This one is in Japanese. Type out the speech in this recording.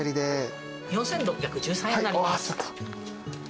４，６１３円になります。